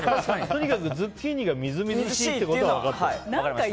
とにかくズッキーニがみずみずしいということは分かった。